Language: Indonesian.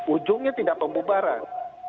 ujungnya tidak pembubaran